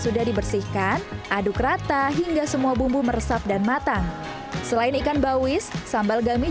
sudah dibersihkan aduk rata hingga semua bumbu meresap dan matang selain ikan bawis sambal gami